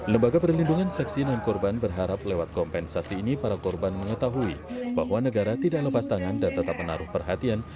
lembaga perlindungan saksi dan korban berharap lewat kompensasi ini para korban mengetahui bahwa negara tidak lepas tangan dan tetap menaruh perhatian